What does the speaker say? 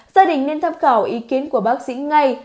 gia đình nên tham khảo ý kiến của bác sĩ ngay